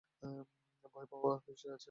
ভয় পাওয়ার কী আছে?